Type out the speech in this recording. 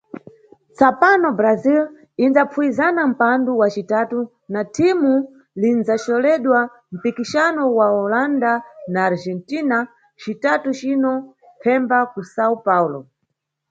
Tsapano Brasil inʼdzapfuwizana mpando wa citatu na thimu linʼdzacholedwa mpikixano wa Holanda na Argentina, citatu cino, pfemba, kuSão Paulo.